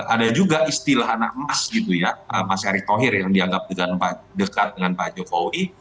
ada juga istilah anak emas gitu ya mas erick thohir yang dianggap juga dekat dengan pak jokowi